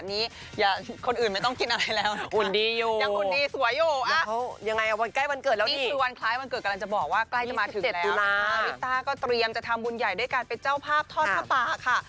อนี่คือวันคล้ายวันเกิดกำลังจะบอกว่าใกล้จะมาถึงแล้วอิตตาก็เตรียมจะทำบุญใหญ่ด้วยการไปเจ้าภาพทอดทะปะค่ะ